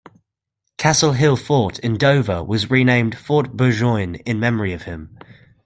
Castle Hill Fort in Dover was renamed Fort Burgoyne in memory of him.